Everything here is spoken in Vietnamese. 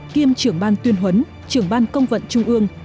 kiêm trưởng ban tuyên huấn trưởng ban công vận trung ương